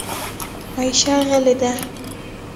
عایشه غلې ده .